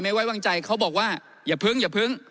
ไว้วางใจเขาบอกว่าอย่าพึ่งอย่าพึ่ง